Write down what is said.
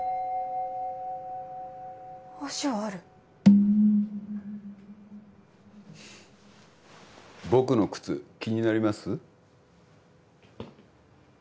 足はある僕の靴気になります？